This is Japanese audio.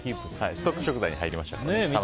ストック食材に入りましたから。